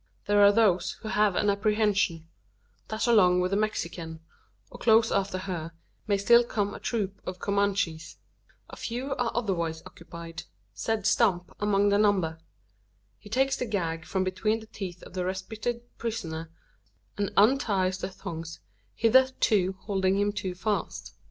There are those who have an apprehension: that along with the Mexican, or close after her, may still come a troop of Comanches. A few are otherwise occupied Zeb Stump among the number. He takes the gag from between the teeth of the respited prisoner, and unties the thongs hitherto holding him too fast.